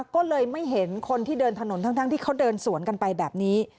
ก็เลยไม่เห็นคนที่เดินถนนทั้งที่เขาเดินสวนกันไปแบบนี้